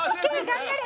頑張れ！」